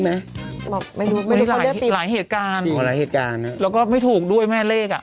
มันมีหลายหลายเหตุการณ์หลายเหตุการณ์แล้วก็ไม่ถูกด้วยแม่เลข